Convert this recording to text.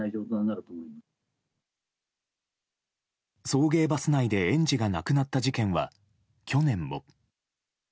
送迎バス内で園児が亡くなった事件は去年も。